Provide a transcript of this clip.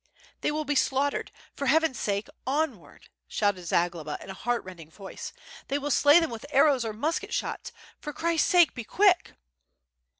"They will be slaughtered; for heaven's sake, onward!" shouted Zagloba in a heartrending voice. "They will slay them with arrows or musket shots. For Christ's sake, be quick!"